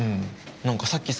何かさっきさ